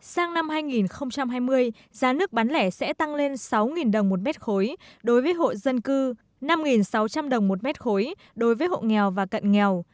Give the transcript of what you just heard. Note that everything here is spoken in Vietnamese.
sang năm hai nghìn hai mươi giá nước bán lẻ sẽ tăng lên sáu đồng một mét khối đối với hộ dân cư năm sáu trăm linh đồng một mét khối đối với hộ nghèo và cận nghèo